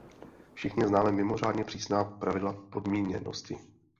Všichni známe mimořádně přísná pravidla podmíněnosti.